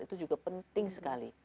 itu juga penting sekali